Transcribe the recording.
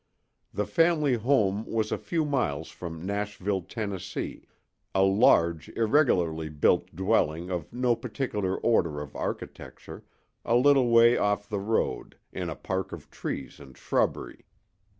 The family home was a few miles from Nashville, Tennessee, a large, irregularly built dwelling of no particular order of architecture, a little way off the road, in a park of trees and shrubbery.